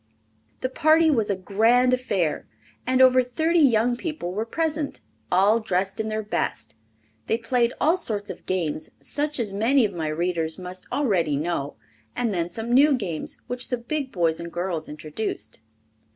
The party was a grand affair and over thirty young people were present, all dressed in their best. They played all sorts of games such as many of my readers must already know, and then some new games which the big boys and girls introduced.